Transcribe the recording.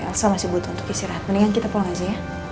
elsa masih butuh istirahat mendingan kita pulang aja ya